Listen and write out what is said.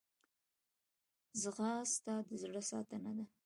ځغاسته د زړه ساتنه ده